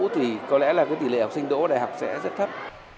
thì có lẽ là tỷ lệ học sinh đỗ đại học sẽ rất thấp